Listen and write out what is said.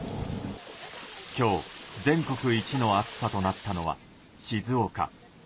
今日、全国一の暑さとなったのは静岡。